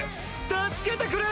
助けてくれ！